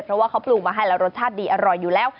เพราะว่าเขาปลูกมาให้แล้วรสชาติดีอร่อยอยู่แล้ว